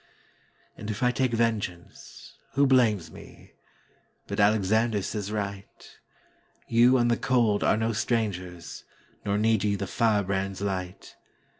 And if I take vengeance, who blames me? But Alexander says right:"You and the cold are no strangers, Nor need ye the firebrand's light.